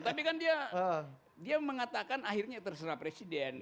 tapi kan dia mengatakan akhirnya terserah presiden